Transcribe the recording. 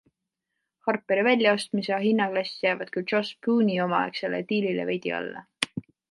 Harperi väljaostmise hinnaklass jäävat küll Josh Boone'i omaaegsele diilile veidi alla.